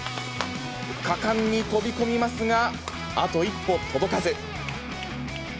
果敢に飛び込みますが、あと一歩届かず。